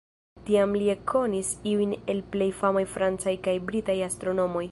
Tiam li ekkonis iujn el plej famaj francaj kaj britaj astronomoj.